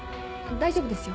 大丈夫ですよ。